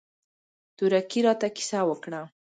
تورکي راته کيسه وکړه.